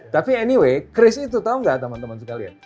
tapi anyway kris itu tau gak teman teman sekalian